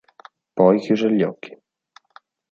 Poi chiuse gli occhi.